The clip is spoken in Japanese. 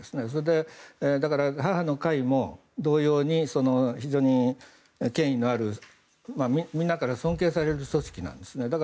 それで、母の会も同様に非常に権威のあるみんなから尊敬される組織なんですね。